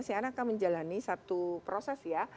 si anak akan menjalani satu proses ya